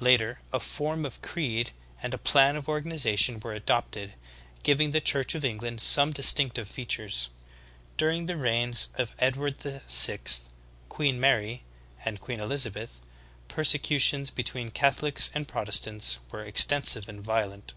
Later a form of creed and a plan of organization were adopt ed, giving the Church of England some distinctive features. During the reigns of Edward VI, Queen Mary, and Queen Elizabeth, persecutions between Catholics and Protestants were extensive and violent.